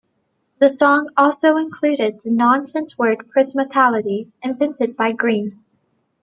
The song also included the nonsense word "pismotality", invented by Green.